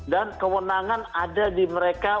dan kewenangan ada di mereka